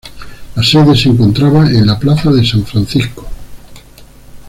La sede se encontraba en la plaza de San Francisco.